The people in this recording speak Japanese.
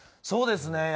そうですね。